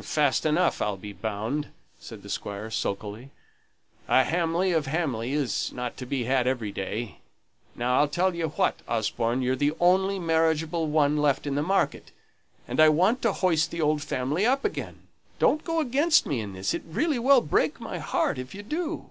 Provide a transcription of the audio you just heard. "Fast enough, I'll be bound," said the Squire, sulkily. "A Hamley of Hamley isn't to be had every day. Now, I'll tell you what, Osborne, you're the only marriageable one left in the market, and I want to hoist the old family up again. Don't go against me in this; it really will break my heart if you do."